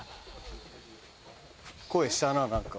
声したな何か。